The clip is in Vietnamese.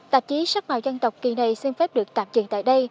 tạp chí sắc màu dân tộc kỳ này xin phép được tạm truyền tại